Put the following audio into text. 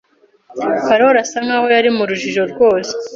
Karoli asa nkaho yari mu rujijo rwose.